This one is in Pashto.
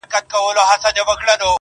زما فال یې د حافظ په میخانه کي وو کتلی-